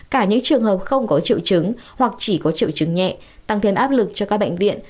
cả những trường hợp không có triệu chứng hoặc chỉ có triệu chứng nhẹ tăng thêm áp lực cho các bệnh viện